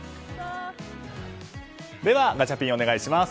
ではガチャピンお願いします。